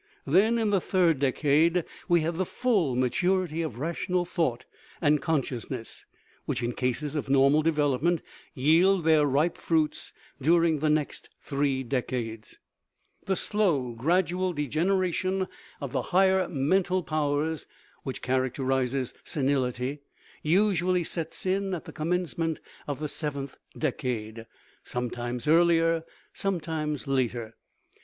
Then, in the third dec ade, we have the full maturity of rational thought and consciousness, which, in cases of normal development, yield their ripe fruits during the next three decades. 185 THE RIDDLE OF THE UNIVERSE The slow, gradual degeneration of the higher mental powers, which characterizes senility, usually sets in at the commencement of the seventh decade sometimes earlier, sometimes later.